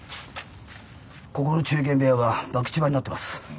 ここの中間部屋が博打場になってます。